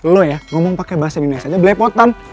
lo ya ngomong pake bahasa indonesia aja belepotan